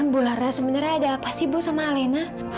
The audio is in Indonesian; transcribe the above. bu laras sebenarnya ada apa sih bu sama alena